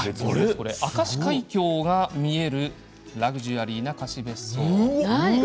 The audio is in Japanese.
明石海峡が見えるラグジュアリーな貸し別荘です。